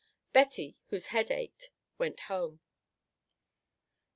Betty, whose head ached, went home.